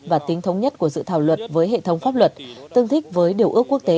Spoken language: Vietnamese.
và tính thống nhất của dự thảo luật với hệ thống pháp luật tương thích với điều ước quốc tế